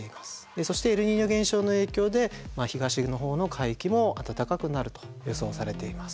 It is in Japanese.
そしてエルニーニョ現象の影響で東のほうの海域も暖かくなると予想されています。